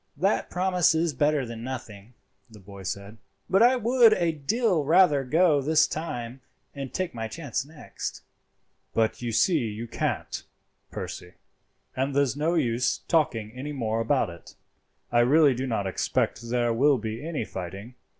"That promise is better than nothing," the boy said; "but I would a deal rather go this time and take my chance next." "But you see you can't, Percy, and there's no use talking any more about it. I really do not expect there will be any fighting.